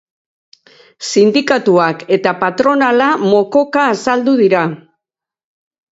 Sindikatuak eta patronala mokoka azaldu dira.